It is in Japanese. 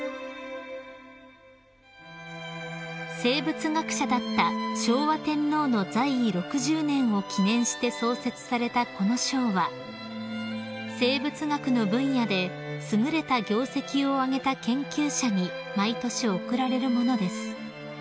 ［生物学者だった昭和天皇の在位６０年を記念して創設されたこの賞は生物学の分野で優れた業績を挙げた研究者に毎年贈られるものです］